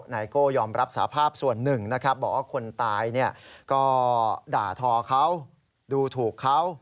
นายโก้ยอมรับสาภาพส่วนหนึ่งนะครับบอกว่าคนตายก็ด่าทอเขาดูถูกเขา